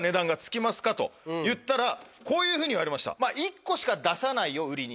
と言ったらこういうふうに言われました。